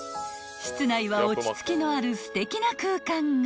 ［室内は落ち着きのあるすてきな空間が］